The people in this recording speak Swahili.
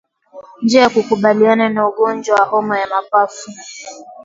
Njia ya kukabiliana na ugonjwa wa homa ya mapafu